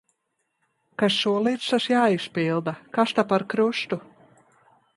Kas solīts, tas jāizpilda. Kas ta par krustu.